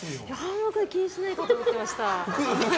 気にしないかと思ってました。